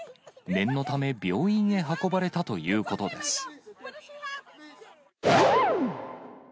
念のため、病院へ運ばれたということです。